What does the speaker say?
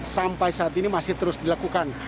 sampai saat ini masih terus dilakukan